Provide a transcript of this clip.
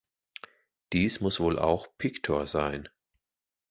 Dies muss wohl auch "pictor" sein.